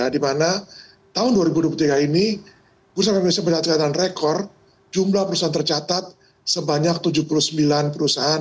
di mana tahun dua ribu dua puluh tiga ini perusahaan indonesia mencatatan rekor jumlah perusahaan tercatat sebanyak tujuh puluh sembilan perusahaan